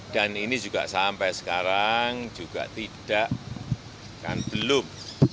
ini juga sampai sekarang juga tidak kan belum